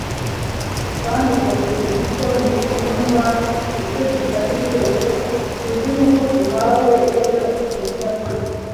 kandi ubwo tuzi ko yumva icyo dusabye cyose tuzi nuko duhawe ibyo tumusabye